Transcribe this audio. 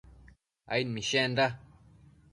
aid mishenda